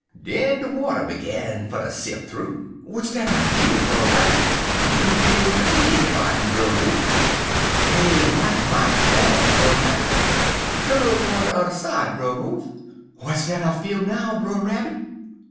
"Den de water begin fer ter sif' thoo. "'W'at dat I feel, Brer Rabbit?' "'You feels de fleas a bitin', Brer Wolf.' "'Dey er bitin' mighty hard, Brer Rabbit.' "'Tu'n over on de udder side, Brer Wolf.' "'W'at dat I feel now, Brer Rabbit?'